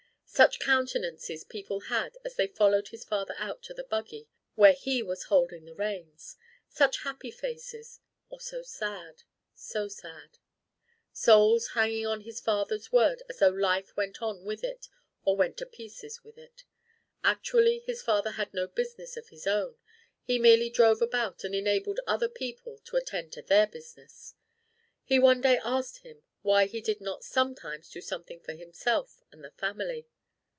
Such countenances people had as they followed his father out to the buggy where he was holding the reins! Such happy faces or so sad, so sad! Souls hanging on his father's word as though life went on with it or went to pieces with it. Actually his father had no business of his own: he merely drove about and enabled other people to attend to their business! He one day asked him why he did not sometimes do something for himself and the family!